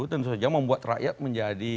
tentu saja membuat rakyat menjadi